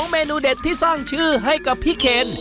เมนูเด็ดที่สร้างชื่อให้กับพี่เคน